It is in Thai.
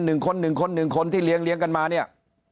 หนึ่งคนหนึ่งคนหนึ่งคนที่เลี้ยเลี้ยงกันมาเนี่ย